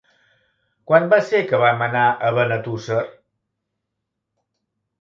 Quan va ser que vam anar a Benetússer?